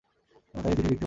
তাই এ চিঠি লিখতে বসেছি।